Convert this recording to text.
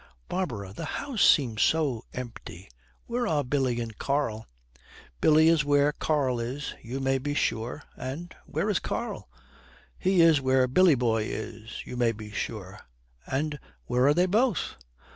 'Barbara, the house seems so empty. Where are Billy and Karl?' 'Billy is where Karl is, you may be sure.' 'And where is Karl?' 'He is where Billy boy is, you may be sure.' 'And where are they both?'